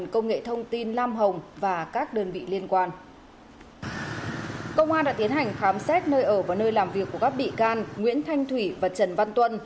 công an đã tiến hành khám xét nơi ở và nơi làm việc của các bị can nguyễn thanh thủy và trần văn tuân